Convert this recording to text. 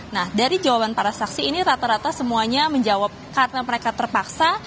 nah dari jawaban para saksi ini rata rata semuanya menjawab karena mereka terpaksa